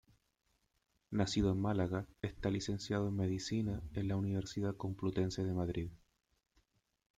Nacido en Málaga, está licenciado en medicina en la Universidad Complutense de Madrid.